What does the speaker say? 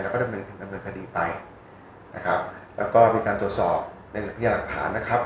แล้วก็ดำเนินคดีไปนะครับแล้วก็มีการตรวจสอบในพยาหลักฐานนะครับ